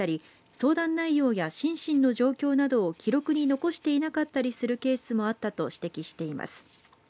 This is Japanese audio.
相談内容や心身の状況などを記録に残していなかったりするケースもあったと指摘しています。